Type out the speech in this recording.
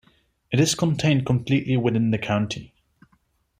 It is contained completely within the county.